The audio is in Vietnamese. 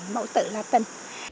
mẫu tự latin